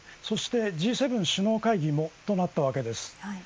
そしてＧ７首脳会議となったわけです。